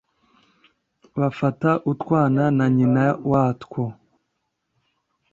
bafata utwana na nyina watwo